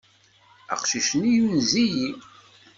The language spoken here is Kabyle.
Aqcic-nni yunez-iyi.